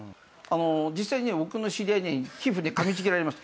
実際に僕の知り合い皮膚噛みちぎられました。